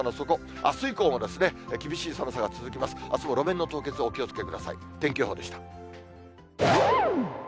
あすも路面の凍結、お気をつけく